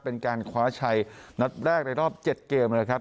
เป็นการคว้าชัยนัดแรกในรอบ๗เกมนะครับ